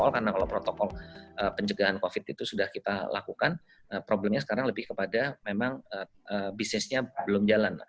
karena kalau protokol pencegahan covid itu sudah kita lakukan problemnya sekarang lebih kepada memang bisnisnya belum jalan